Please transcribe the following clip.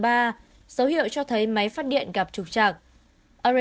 dấu hiệu cho thấy máy phát điện gặp trục chặt